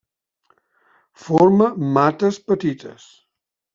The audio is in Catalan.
Forma mates petites.